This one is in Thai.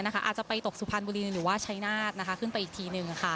อาจจะไปตกสุพรรณบุรีหรือว่าชัยนาธขึ้นไปอีกทีหนึ่ง